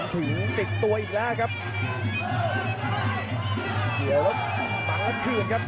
ถึงติดตัวอีกแล้วครับ